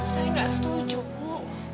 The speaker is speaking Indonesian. saya gak setuju ibu